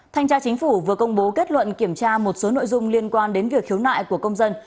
thanh tra chính phủ vừa công bố kết luận kiểm tra một số nội dung liên quan đến việc khiếu nại của công dân